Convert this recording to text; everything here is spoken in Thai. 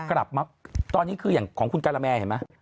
กลับมาตอนนี้คืออย่างของคุณการาแมเห็นไหม